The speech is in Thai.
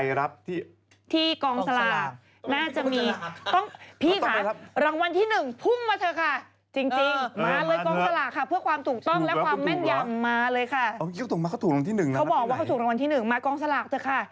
เขาบอกว่าเขาถูกรางวัลที่๑มากองสลากเถอะค่ะ